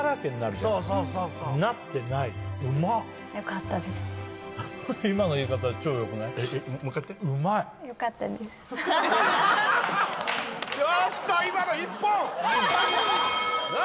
ちょっと今の一本！何？